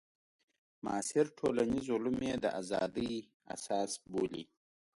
معاصر ټولنیز علوم یې د ازادۍ اساس بولي.